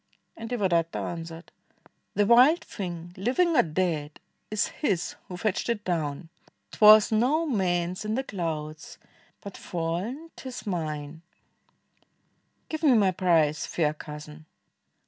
And Devadatta answered, "The wild thing, Living or dead, is his who fetched it down; 'T was no man's in the clouds, but fall'n 't is mine, Give me my prize, fair Cousin."